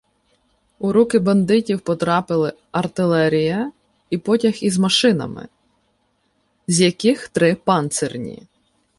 У руки "бандитів” потрапили артилерія і потяг із машинами, з яких три панцирні.